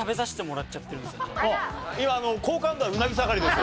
今好感度はうなぎ下がりです。